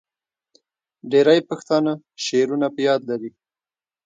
ډیری پښتانه شعرونه په یاد لري.